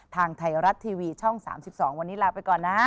ทางไทยรัฐทีวีช่อง๓๒วันนี้ลาไปก่อนนะ